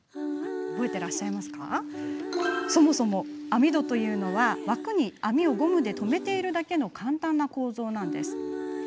そもそも網戸というのは枠に網をゴムで留めているだけの簡単な構造です。